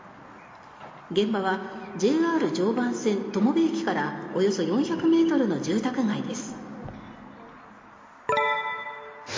現場はＪＲ常磐線友部駅からおよそ４００ｍの住宅街です。